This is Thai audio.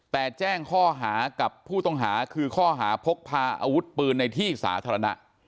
แต่แจ้งข้อหากับผู้ต้องหาคือข้อหาพกพาอาวุธปืนในที่สาธารณะ